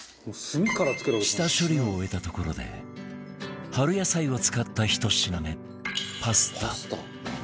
下処理を終えたところで春野菜を使った１品目パスタ